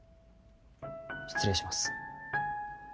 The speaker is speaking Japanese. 失礼します。